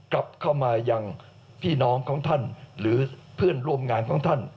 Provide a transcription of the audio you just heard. กลับเข้ามาอย่างพี่น้องของท่านหรือเพื่อนร่วมงานของท่าน